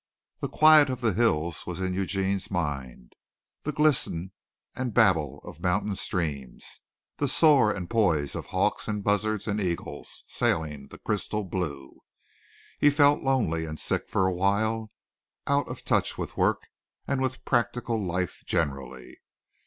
The quiet of the hills was in Eugene's mind, the glisten and babble of mountain streams, the soar and poise of hawks and buzzards and eagles sailing the crystal blue. He felt lonely and sick for awhile, out of touch with work and with practical life generally.